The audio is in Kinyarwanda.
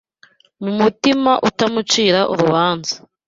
Mu mutima utamucira urubanza